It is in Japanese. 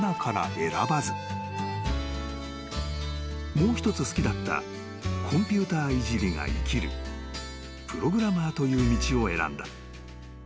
［もう一つ好きだったコンピューターいじりが生きるプログラマーという道を選んだ］